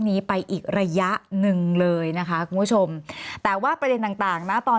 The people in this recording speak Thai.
นี้ไปอีกระยะหนึ่งเลยนะคะคุณผู้ชมแต่ว่าประเด็นต่างต่างนะตอน